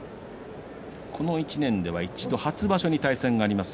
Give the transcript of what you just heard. この１年では一度、初場所に対戦があります。